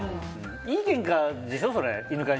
いいけんかでしょ？